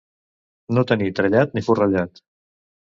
No tenir trellat ni forrellat.